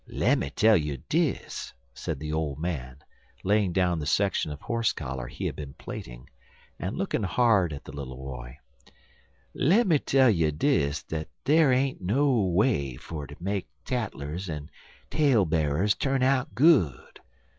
"Lemme tell you dis," said the old man, laying down the section of horse collar he had been plaiting, and looking hard at the little boy "lemme tell you dis der ain't no way fer ter make tattlers en tailb'arers turn out good.